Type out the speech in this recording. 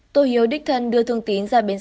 tô hiếu đích thân đưa thường tín ra bến xe